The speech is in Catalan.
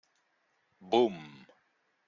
Bum!